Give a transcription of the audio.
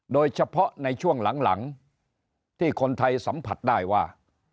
โดยเฉพาะในช่วงหลังที่คนไทยสัมผัสได้ว่า